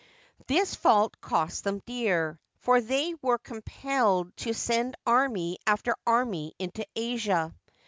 This fault cost them dear; for they were compelled to send army after army into Asia.